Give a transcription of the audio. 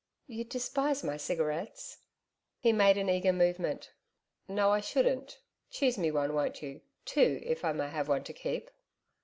'You'd despise my cigarettes?' He made an eager movement. 'No I shouldn't. Choose me one, won't you two if I may have one to keep.'